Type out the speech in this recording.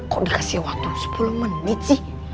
kok dikasih waktu sepuluh menit sih